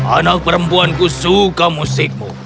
anak perempuanku suka musikmu